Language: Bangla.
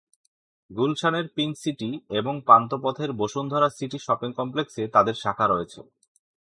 গুলশানের পিংক সিটি এবং পান্থপথের বসুন্ধরা সিটি শপিং কমপ্লেক্সে তাদের শাখা রয়েছে।